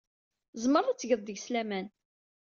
Tzemred ad tged deg-s laman.